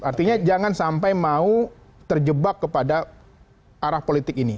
artinya jangan sampai mau terjebak kepada arah politik ini